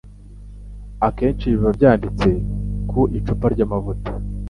Akenshi biba byanditse ku icupa ry'amavuta